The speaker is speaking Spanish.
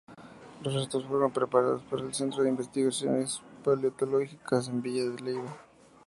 Los restos fueron preparados por el Centro de Investigaciones Paleontológicas en Villa de Leyva.